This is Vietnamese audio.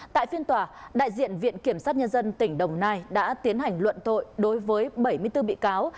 tại phiên tòa đại diện viện kiểm sát nhân dân tỉnh đồng nai đã tiến hành luận tội đối với bảy mươi bốn bị cáo